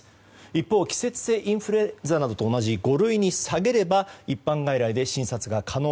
一方、季節性インフルエンザなどと同じ五類に下げれば一般外来で診察が可能。